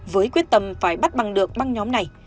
với quyết tâm phải bắt bằng được băng nhóm này